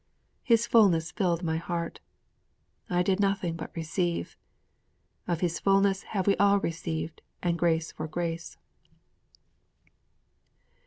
'His fullness filled my heart!' 'I did nothing but receive!' '_Of His fullness have all we received, and grace for grace!